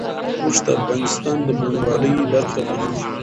اوښ د افغانستان د بڼوالۍ برخه ده.